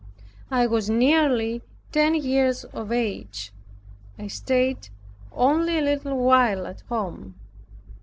I was nearly ten years of age. I stayed only a little while at home.